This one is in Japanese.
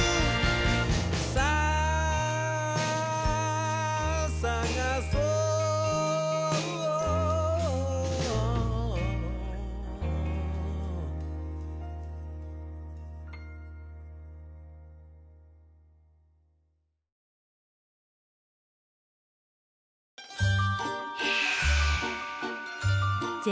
「さあさがそう」銭